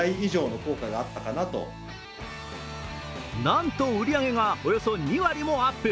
なんと、売り上げがおよそ２割もアップ。